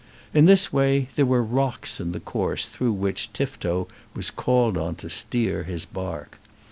In this way there were rocks in the course through which Tifto was called on to steer his bark.